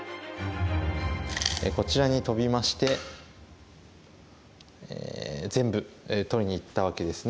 こちらにトビまして全部取りにいったわけですね。